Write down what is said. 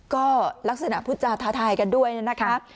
ก็ลักษณะพูดจาท้าทายกันด้วยนะคะ